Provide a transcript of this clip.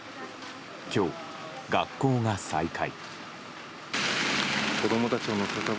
今日、学校が再開。